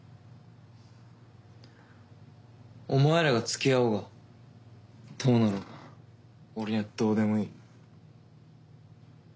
お前らがつきあおうがどうなろうが俺にはどうでもいい。